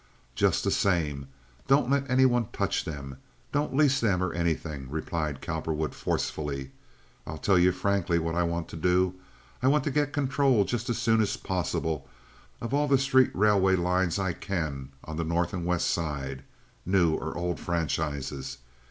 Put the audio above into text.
"Just the same, don't let any one touch them—don't lease them or anything," replied Cowperwood, forcefully. "I'll tell you frankly what I want to do. I want to get control, just as soon as possible, of all the street railway lines I can on the North and West Sides—new or old franchises.